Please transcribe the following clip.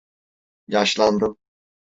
Yaşlandım.